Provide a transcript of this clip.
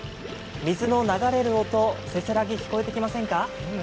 水の流れる音、せせらぎ聞こえてきませんか？